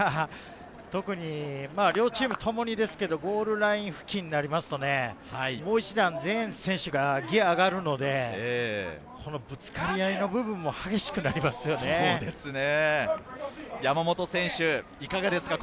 特に両チームともにゴールライン付近になると、もう一段、全選手がギアが上がるので、ぶつかり合いの部分も激しいかがですか？